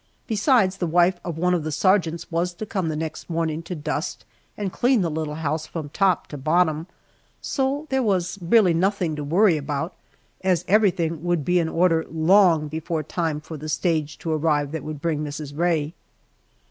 Besides, the wife of one of the sergeants was to come the next morning to dust and clean the little house from top to bottom, so there was really nothing to worry about, as everything would be in order long before time for the stage to arrive that would bring Mrs. Rae.